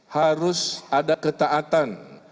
harus ada ketaatan